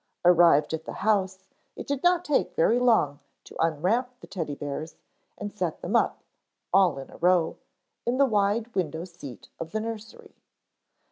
Arrived at the house, it did not take very long to unwrap the Teddy bears and set them up, all in a row, in the wide window seat of the nursery.